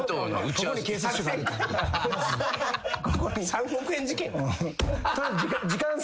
３億円事件か。